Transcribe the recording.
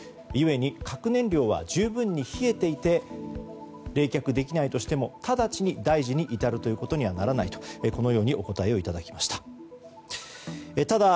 ゆえに、核燃料は十分に冷えていて冷却できないとしても直ちに大事に至るということにはならないとこのようにお答えいただきました。